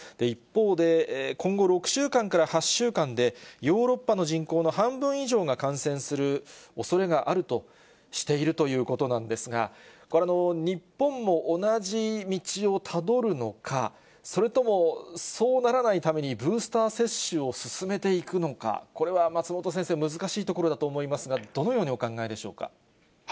一方で、今後６週間から８週間で、ヨーロッパの人口の半分以上が感染するおそれがあるとしているということなんですが、これ、日本も同じ道をたどるのか、それとも、そうならないために、ブースター接種を進めていくのか、これは松本先生、難しいところだと思いますが、どのようにお考えでしょうか。